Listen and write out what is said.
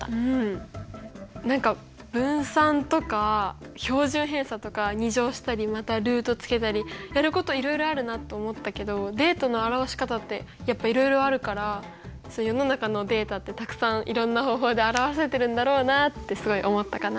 何か分散とか標準偏差とか２乗したりまたルートつけたりやることいろいろあるなと思ったけどデータの表し方ってやっぱいろいろあるから世の中のデータってたくさんいろんな方法で表せてるんだろうなってすごい思ったかな。